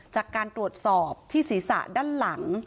จากการตรวจสอบที่ศีรษะด้านหลัง